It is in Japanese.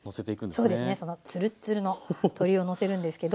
そうですねそのツルッツルの鶏をのせるんですけど。